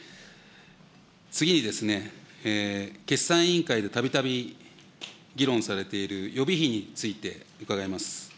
次にですね、決算委員会でたびたび議論されている、予備費について伺います。